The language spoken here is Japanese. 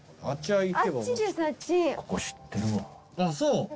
あぁそう。